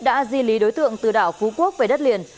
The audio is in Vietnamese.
đã di lý đối tượng từ đảo phú quốc về đất liền